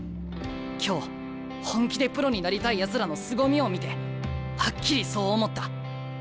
今日本気でプロになりたいやつらのすごみを見てはっきりそう思った。